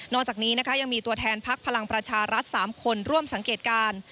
๔พักการเมืองที่ยังมีตัวแทนพักพลังประชารัส๓คนร่วมสังเกตการ